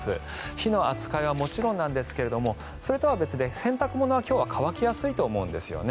火の扱いはもちろんですがそれとは別で洗濯物は、今日は乾きやすいと思うんですよね。